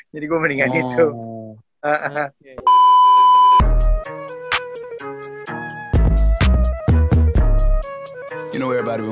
jadi gue mendingan itu